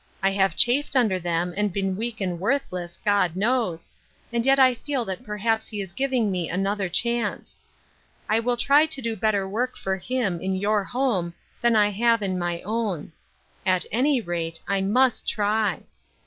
I have chafed under them, and been weak and worthless, God knows ; and yet I feel that p(^r haps he is giving me another chance. I will try to do better work for him, in your home, than T have in my own. At any rate, I mu%t try.